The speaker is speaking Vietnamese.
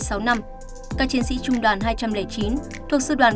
các chiến sĩ trung đoàn hai trăm linh chín thuộc sư đoàn ba trăm hai mươi